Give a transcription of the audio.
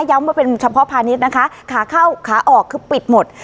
ว่าเป็นเฉพาะพาณิชย์นะคะขาเข้าขาออกคือปิดหมด